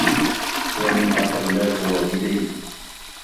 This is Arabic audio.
سامي أقلّاه والديه.